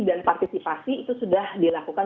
dan partisipasi itu sudah dilakukan